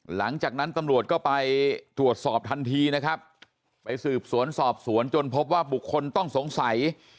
หลังจากนั้นตำรวจก็ไปตรวจสอบทันทีนะครับไปสืบสวนสอบสวนจนพบว่าบุคคลต้องสงสัย